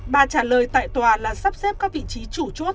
bà trả lời tại tòa là sắp xếp các vị trí chủ chốt